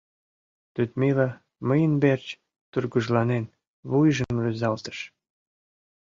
— Людмила, мыйын верч тургыжланен, вуйжым рӱзалтыш.